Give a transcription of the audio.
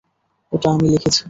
ওটা আমি লিখেছি!